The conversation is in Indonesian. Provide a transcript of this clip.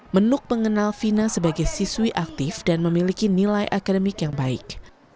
menuk pengenal vina sebagai siswi aktif dan memiliki nilai akademik yang baik